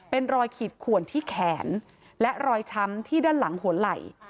เป็นรอยขีดขวนที่แขนและรอยช้ำที่ด้านหลังหัวไหล่